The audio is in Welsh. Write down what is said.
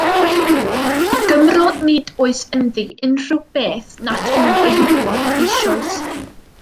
I Gymro nid oes ynddi unrhyw beth nad yw'n ei wybod eisoes.